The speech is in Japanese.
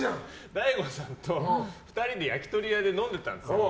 大悟さんと２人で焼き鳥屋で飲んでたんですよ。